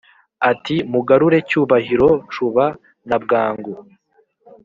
ati"mugarure cyubahiro Cuba na bwangu"